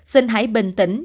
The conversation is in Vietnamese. xin hãy bình tĩnh